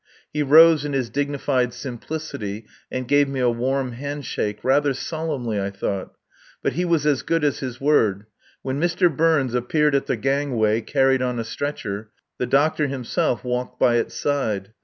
He rose in his dignified simplicity and gave me a warm handshake, rather solemnly, I thought. But he was as good as his word. When Mr. Burns appeared at the gangway carried on a stretcher, the doctor himself walked by its side.